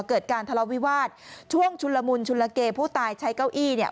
เกิดการทะเลาวิวาสช่วงชุนละมุนชุนละเกผู้ตายใช้เก้าอี้เนี่ย